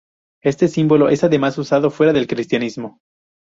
Este símbolo es además usado fuera del cristianismo.